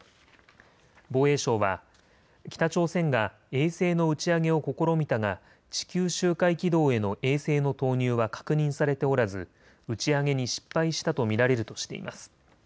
防衛省は北朝鮮が衛星の打ち上げを試みたが地球周回軌道への衛星の投入は確認されておらず打ち上げに失敗したと見られるとしています。